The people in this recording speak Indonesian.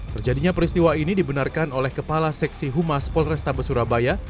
terjadinya peristiwa ini dibenarkan oleh kepala seksi humas polrestabes surabaya